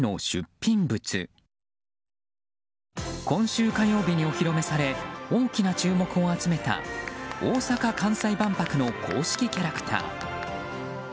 今週火曜日にお披露目され大きな注目を集めた大阪・関西万博の公式キャラクター。